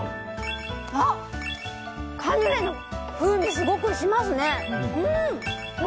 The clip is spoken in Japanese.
カヌレの風味すごくしますね。